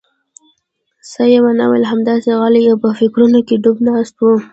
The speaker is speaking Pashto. څه یې ونه ویل، همداسې غلی او په فکرونو کې ډوب ناست و.